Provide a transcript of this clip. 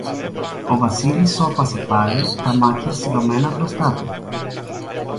Ο Βασίλης σώπασε πάλι, τα μάτια στυλωμένα μπροστά του.